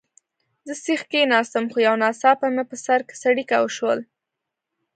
زه سیخ کښېناستم، خو یو ناڅاپه مې په سر کې څړیکه وشول.